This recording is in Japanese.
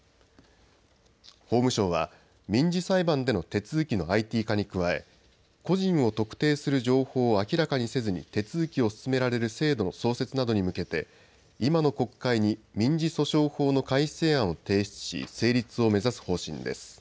法務省は民事裁判での手続きのＩＴ化に加え個人を特定する情報を明らかにせずに手続きを進められる制度の創設などに向けて今の国会に民事訴訟法の改正案を提出し、成立を目指す方針です。